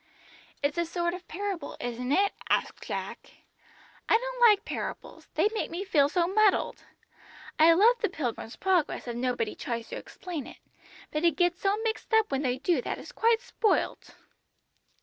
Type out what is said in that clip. "It's a sort of parable, isn't it?" asked Jack. "I don't like parables, they make me feel so muddled. I love the Pilgrim's Progress if nobody tries to explain it. But it gets so mixed up when they do, that it's quite spoilt!"